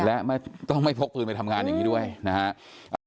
และไม่ต้องไม่พกปืนไปทำงานอย่างนี้ด้วยนะฮะ